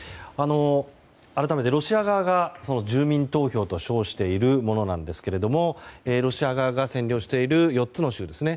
改めてロシア側が住民投票と称しているものなんですがロシア側が占領している４つの州ですね。